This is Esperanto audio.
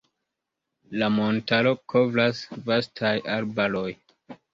La montaron kovras vastaj arbaroj.